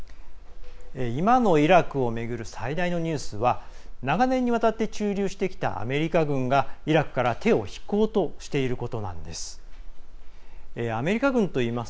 今のイラクの最大のニュースは長年にわたって駐留してきたアメリカ軍がイラクから手を引こうとしていることなんです。